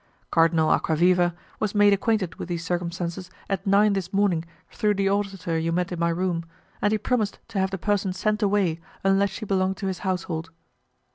Cardinal Acquaviva was made acquainted with these circumstances at nine this morning through the auditor you met in my room, and he promised to have the person sent away unless she belonged to his household.